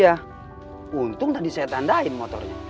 ya untung tadi saya tandain motornya